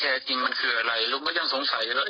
คือมันมีคนอ่ะคอรหานะครับว่า